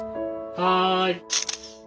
はい」。